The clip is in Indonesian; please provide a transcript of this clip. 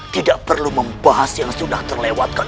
tidak perlu membahas yang sudah terlewatkan